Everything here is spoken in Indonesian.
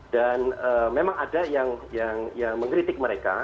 dan memang ada yang mengkritik mereka